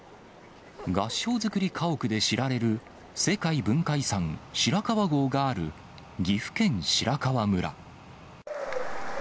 合掌造り家屋で知られる世界文化遺産、白川郷がある岐阜県白川村。